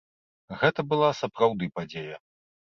Гэта была сапраўды падзея.